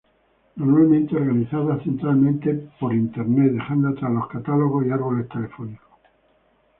Normalmente organizadas centralmente por internet, dejando atrás los catálogos y árboles telefónicos.